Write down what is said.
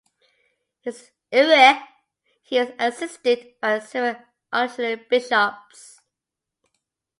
He is assisted by several auxiliary bishops.